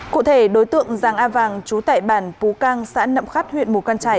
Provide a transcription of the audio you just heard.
cụ thể đối tượng giang a vàng chú tại bản pú cang xã nậm khắt huyện mù căn trải